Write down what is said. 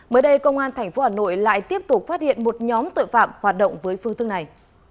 mới đây công an tp hà nội lại tiếp tục phát hiện một nhóm tội phạm hoạt động với phương thức này